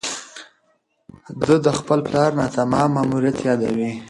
ده د خپل پلار ناتمام ماموریت یادوي.